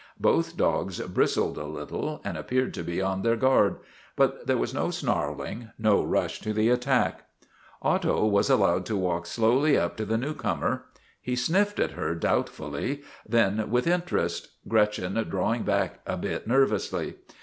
Both dogs bristled a little and appeared to be on their guard, but there was no snarling, no rush to the attack. STRIKE AT TIVERTON MANOR 143 Otto was allowed to walk slowly up to the new comer. He sniffed at her doubtfully, then with in terest, Gretchen drawing back a bit nervously.